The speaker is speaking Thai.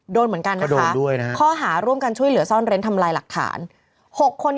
โดนเหมือนกันนะคะข้อหาร่วมกันช่วยเหลือซ่อนเร้นทำลายหลักฐาน๖คน